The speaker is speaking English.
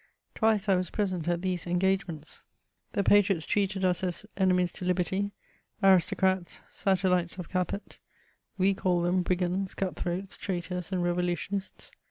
Twice I was present at these engage ments. The patriots treated us as enemies to liberty^ aristo cratSy satellites of Capet; we called them brigands^ cut^throats^ traitors^ and revolutionists.